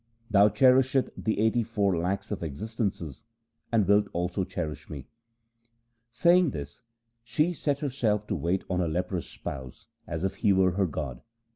Thou cherisheth the eighty four lakhs of existences, and wilt also cherish me.' Saying this she set herself to wait on her leprous spouse, as if he were her god.